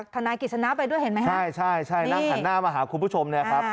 ท่านายกิจทะนาไปด้วยเห็นมั้ยนั่งถ่านหน้ามาหาคุณพุชม